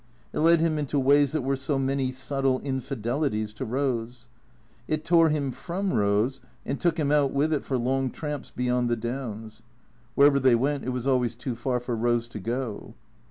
It led him into ways that were so many subtle infidelities to Eose. It tore him from Eose and took him out with it for long tramps beyond the Downs ; wherever they went it was always too far for Eose to go.